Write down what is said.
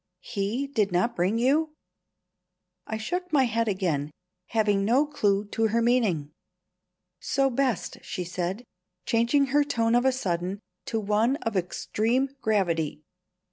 He did not bring you?" I shook my head again, having no clue to her meaning. "So best," she said, changing her tone of a sudden to one of extreme gravity.